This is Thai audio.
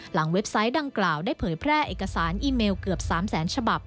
เว็บไซต์ดังกล่าวได้เผยแพร่เอกสารอีเมลเกือบ๓แสนฉบับ